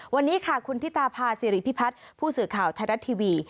วันนี้ค่ะคุณธิตาพาสิริพิพัฒน์ผู้สื่อข่าวไทยรัฐทีวี